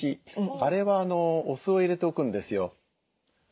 あれはお酢を入れておくんですよ。